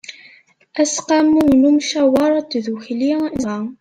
aseqqamu n ymcawer n tdukli n tmazɣa